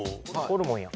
ホルモンや。